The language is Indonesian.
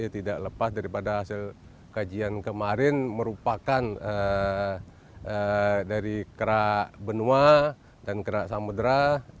tidak lepas daripada hasil kajian kemarin merupakan dari kerak benua dan kerak samudera